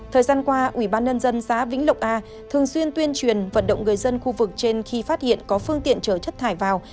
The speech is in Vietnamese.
thời gian qua ủy ban nhân dân xã vĩnh lộc a thường xuyên tuyên truyền vận động người dân khu vực trên khi phát hiện có phương tiện chở chất thải vào